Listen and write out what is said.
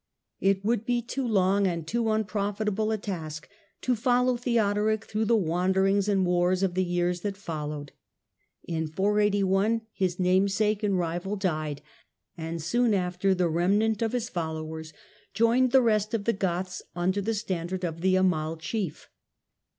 Wander It would be too long and too unprofitable a task to Theodoric follow Theodoric through the wanderings and wars of the years that followed. In 481 his namesake and rival died, and soon after the remnant of his followers joined the rest of the Goths under the standard of the Amal chief.